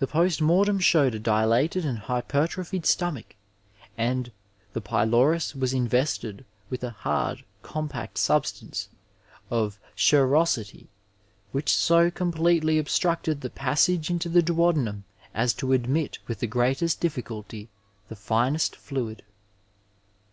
The post mortem showed a dilated and hypertrophied stomach and "the pylorus was invested with a hard, compact substance or schirrosity which so completdy obstructed the passage into the duodenum, as to admit witiii the greatest difficulty the finest fluid."